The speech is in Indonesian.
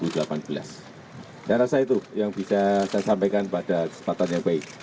saya rasa itu yang bisa saya sampaikan pada kesempatan yang baik